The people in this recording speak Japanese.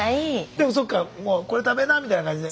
でもそっか「これ食べな」みたいな感じで。